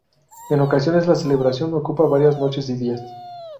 En ocasiones, la celebración ocupa varias noches y días.